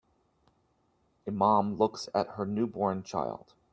A mom looks at her newborn child.